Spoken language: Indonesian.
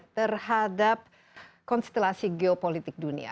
terhadap konstelasi geopolitik dunia